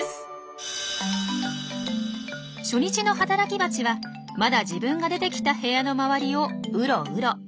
初日の働きバチはまだ自分が出てきた部屋の周りをウロウロ。